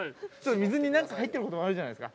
水に何か入ってることもあるじゃないですか。